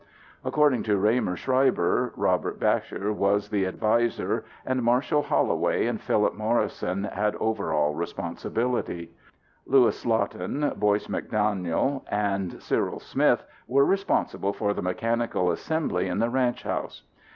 According to Raemer Schreiber, Robert Bacher was the advisor and Marshall Holloway and Philip Morrison had overall responsibility. Louis Slotin, Boyce McDaniel and Cyril Smith were responsible for the mechanical assembly in the ranch house.